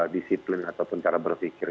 disiplin ataupun cara berpikir